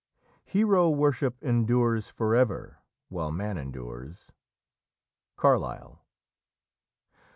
"Hero worship endures for ever while man endures." Carlyle.